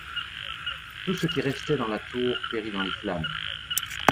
Tout ce qui restait dans la tour périt dans les flammes.